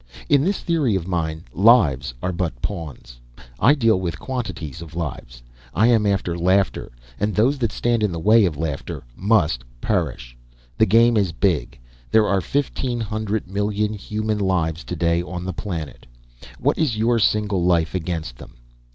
In this theory of mine, lives are but pawns; I deal with quantities of lives. I am after laughter, and those that stand in the way of laughter must perish. The game is big. There are fifteen hundred million human lives to day on the planet. What is your single life against them?